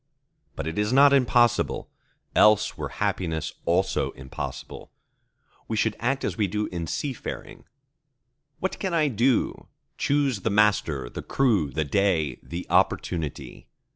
But it is not impossible: else were happiness also impossible. We should act as we do in seafaring. "What can I do?"—Choose the master, the crew, the day, the opportunity.